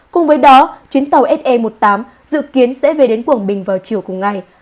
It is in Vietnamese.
cùng với đó chuyến tàu se một mươi tám dự kiến sẽ về đến quảng bình vào chiều cùng ngày